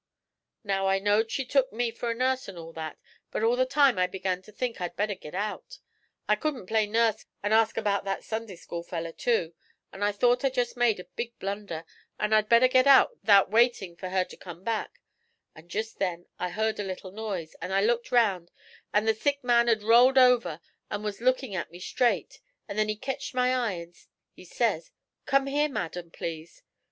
'Now I knowed she took me for a nurse and all that, but all the same I begun to think I'd better git out. I couldn't play nurse an' ask about that Sunday school feller too, an' I thought I'd jest made a big blunder, an' I'd better git out 'thout waitin' for her to come back; an' jest then I heard a little noise, an' I looked round, an' the sick man had rolled over an' was lookin' at me straight, an' when he ketched my eye, he says, "Come here, madam, please."